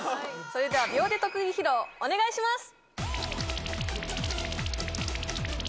それでは秒で特技披露お願いします！